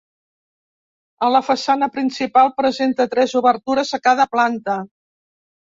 A la façana principal presenta tres obertures a cada planta.